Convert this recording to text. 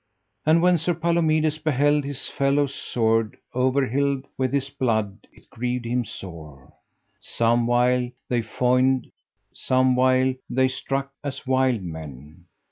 And when Sir Palomides beheld his fellow's sword over hylled with his blood it grieved him sore: some while they foined, some while they struck as wild men.